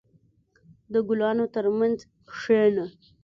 • د ګلانو ترمنځ کښېنه.